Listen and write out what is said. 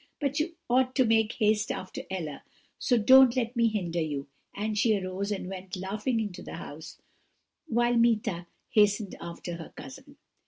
But you ought to make haste after Ella, so don't let me hinder you.' And she arose and went laughing into the house, whilst Meeta hastened after her cousin.